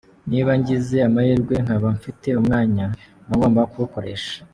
Niba ngize amahirwe nkaba mfite umwanya mba ngomba kuwukoresha.